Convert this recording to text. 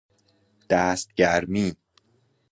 دست گرمی